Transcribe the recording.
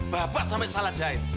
bapak sampai salah jahit